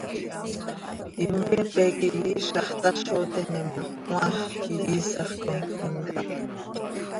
Imoqueepe quih iizax tazo teme ma, cmaax ihiisax com imcáp.